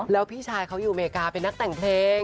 แล้วพี่ชายเขาอยู่อเมริกาเป็นนักแต่งเพลง